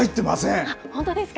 本当ですか。